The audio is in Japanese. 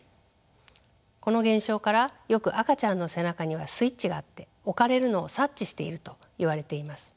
この現象からよく赤ちゃんの背中にはスイッチがあって置かれるのを察知しているといわれています。